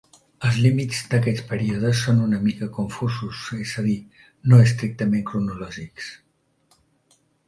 Els límits d'aquests períodes són una mica confusos, és a dir, no estrictament cronològics.